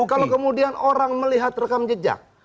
kalau kemudian orang melihat rekam jejak